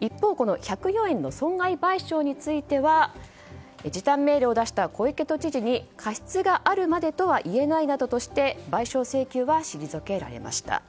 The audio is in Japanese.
一方１０４円の損害賠償については時短命令を出した小池都知事に過失があるまでとはいえないなどとして賠償請求は退けられました。